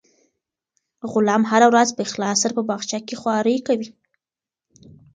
غلام هره ورځ په اخلاص سره په باغچه کې خوارۍ کوي.